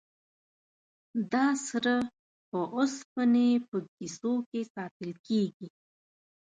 دا سره په اوسپنې په کیسو کې ساتل کیږي.